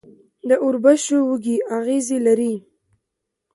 د وربشو وږی اغزي لري.